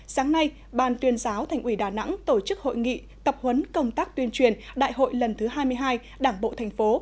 sáng nay ban tuyên giáo thành ủy đà nẵng tổ chức hội nghị tập huấn công tác tuyên truyền đại hội lần thứ hai mươi hai đảng bộ thành phố